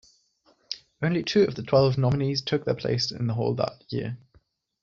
Only two of the twelve nominees took their place in the hall that year.